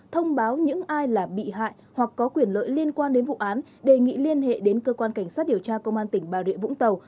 thông báo những ai là bị hại hoặc có quyền lợi liên quan đến vụ án đề nghị liên hệ đến cơ quan cảnh sát điều tra công an tỉnh bà rịa vũng tàu